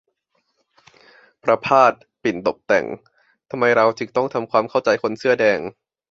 ประภาส ปิ่นตบแต่ง : ทำไมเราจึงต้องทำความเข้าใจคนเสื้อแดง